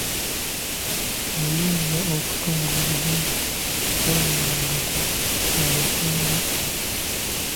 Oyinza okutunga olugoye nga tolabanga ku alutunga?